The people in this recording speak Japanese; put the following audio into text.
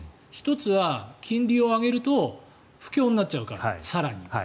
１つは金利を上げると不況になっちゃうから、更に。